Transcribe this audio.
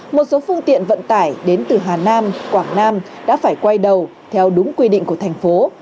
một số phương tiện vận tải đến từ hà nam quảng nam đã phải quay đầu theo đúng quy định của thành phố